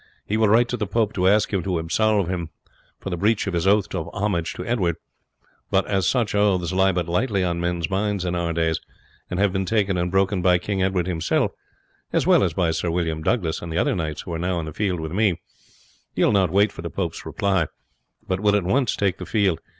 He will write to the pope to ask him to absolve him for the breach of his oath of homage to Edward; but as such oaths lie but lightly on men's minds in our days, and have been taken and broken by King Edward himself, as well as by Sir William Douglas and other knights who are now in the field with me, he will not wait for the pope's reply, but will at once take the field.